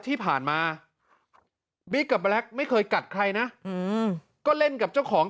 ที่ผ่านมาบิ๊กกับแบล็คไม่เคยกัดใครนะก็เล่นกับเจ้าของ